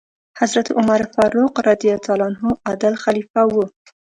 حضرت عمر فاروق رض عادل خلیفه و.